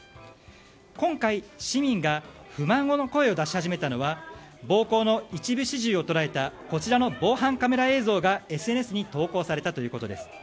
今回、市民が不満の声を出し始めたのは暴行の一部始終を捉えた防犯カメラ映像がＳＮＳに投稿されたということです。